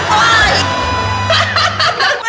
ฮะฮะฮะ